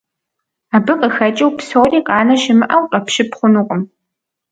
Абы къыхэкӀыу псори къанэ щымыӀэу къэпщып хъунукъым.